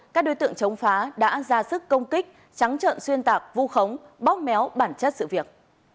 các đối tượng chống phá đã ra sức công kích trắng trợn xuyên tạc vu khống bóp méo bản chất sự việc